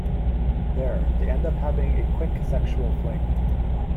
There, they end up having a quick sexual fling.